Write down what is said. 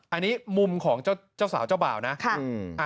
อันนี้มุมของเจ้าสาวเจ้าบ่าวนะ